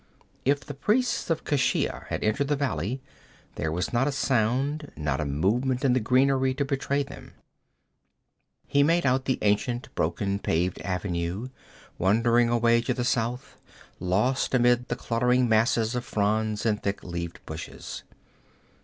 If the priests of Keshia had entered the valley there was not a sound, not a movement in the greenery to betray them. He made out the ancient broken paved avenue, wandering away to the south, lost amid clustering masses of fronds and thick leaved bushes.